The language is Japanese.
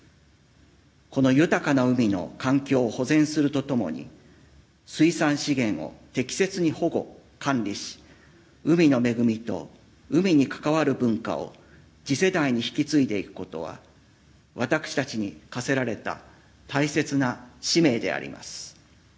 この豊かな海の環境を保全するとともに水産資源を適切に保護・管理し海の恵みと海に関わる文化を次世代に引き継いでいくことは私たちに課せられた大切な使命であります。